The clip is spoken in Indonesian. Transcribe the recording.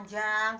saya tuh sursi